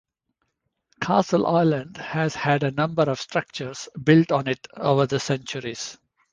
Castle Island has had a number of structures built on it over the centuries.